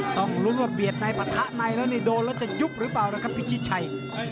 ต้องลุ้นว่าเบียดในปะทะในแล้วนี่โดนแล้วจะยุบหรือเปล่านะครับพิชิตชัย